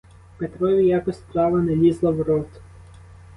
Петрові якось страва не лізла в рот.